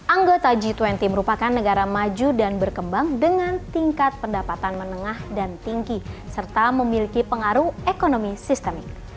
anggota g dua puluh merupakan negara maju dan berkembang dengan tingkat pendapatan menengah dan tinggi serta memiliki pengaruh ekonomi sistemik